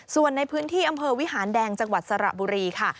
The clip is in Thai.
ส่วนในพื้นที่อำเภอวิหารแดงจังหวัดสระบุรีค่ะ